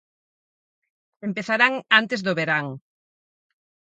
Empezarán antes do verán.